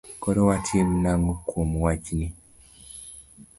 Koro watim nang'o kuom wachni?